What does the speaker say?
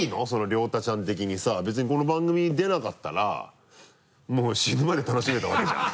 諒太ちゃん的にさ別にこの番組に出なかったら死ぬまで楽しめたわけじゃん。